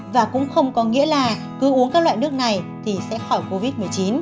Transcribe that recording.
và cũng không có nghĩa là cứ uống các loại nước này thì sẽ khỏi covid một mươi chín